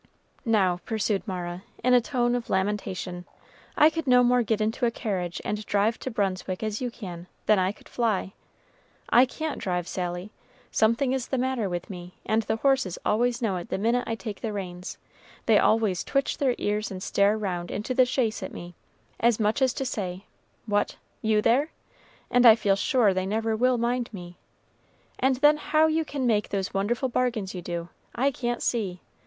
"Now," pursued Mara, in a tone of lamentation, "I could no more get into a carriage and drive to Brunswick as you can, than I could fly. I can't drive, Sally something is the matter with me; and the horses always know it the minute I take the reins; they always twitch their ears and stare round into the chaise at me, as much as to say, 'What! you there?' and I feel sure they never will mind me. And then how you can make those wonderful bargains you do, I can't see!